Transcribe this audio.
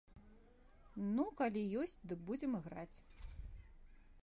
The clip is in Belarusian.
Ну, калі ёсць, дык будзем іграць.